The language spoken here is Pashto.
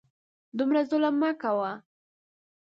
دومره ظلم مه کوه !